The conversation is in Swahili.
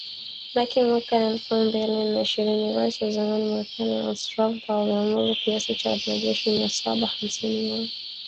Lakini mwaka elfu mbili na ishirini Rais wa zamani Marekani Donald Trump aliamuru kiasi cha wanajeshi mia saba hamsini wa Marekani nchini Somalia.